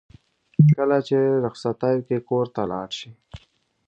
کله چې رخصتیو کې کور ته لاړ شي.